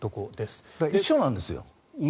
一緒なんですよ。